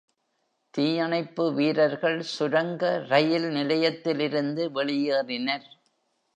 தீயணைப்பு வீரர்கள் சுரங்க ரயில் நிலையத்திலிருந்து வெளியேறினர்.